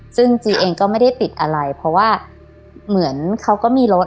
ซึ่งจีเองก็ไม่ได้ติดอะไรเพราะว่าเหมือนเขาก็มีรถ